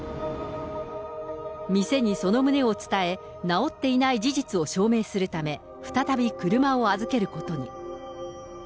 店にその旨を伝え、直っていない事実を証明するため、再び車を預けることに。